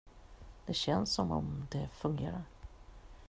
Det känns som om det fungerar.